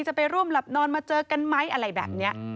จะไปร่วมหลับนอนมาเจอกันไหมอะไรแบบนี้